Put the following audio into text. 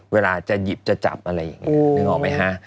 เวลาจะหยิบจะจับอะไรอย่างนี้นึกออกไหมฮะ